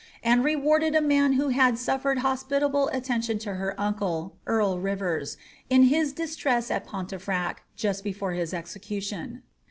and rewarded a man who had shown hospitable attention to her uncle, earl Rivers, in his distress at Pontefract, just before his execution.